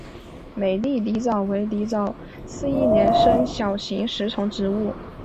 美丽狸藻为狸藻属似一年生小型食虫植物。